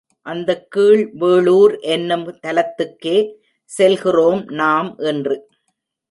அந்தக் கீழ் வேளூர் என்னும் தலத்துக்கே செல்கிறோம் நாம் இன்று.